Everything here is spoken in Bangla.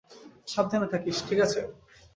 সাবধানে থাকিস, ঠিক আছে?